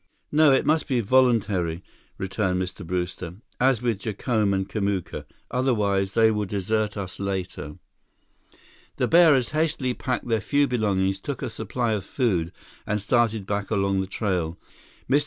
"No, it must be voluntary," returned Mr. Brewster, "as with Jacome and Kamuka. Otherwise, they will desert us later." The bearers hastily packed their few belongings, took a supply of food, and started back along the trail. Mr.